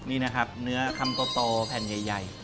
นี้นะครับเนื้อคำตัวแผ่นยังไย